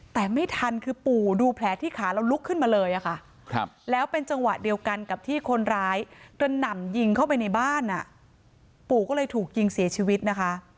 แต่ไม่ทันคือปู่ดูแผลที่ขาแล้วลุกขึ้นมาเลยค่ะ